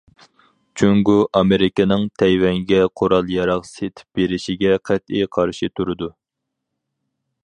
جۇڭگو ئامېرىكىنىڭ تەيۋەنگە قورال- ياراغ سېتىپ بېرىشىگە قەتئىي قارشى تۇرىدۇ.